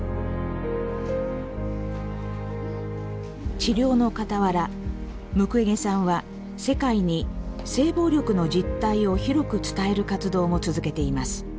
治療のかたわらムクウェゲさんは世界に性暴力の実態を広く伝える活動も続けています。